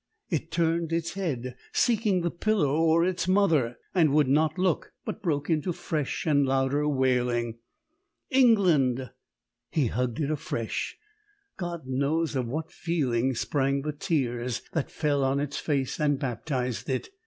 It turned its head, seeking the pillow or its mother; and would not look, but broke into fresh and louder wailing. "England!" He hugged it afresh. God knows of what feeling sprang the tears that fell on its face and baptized it.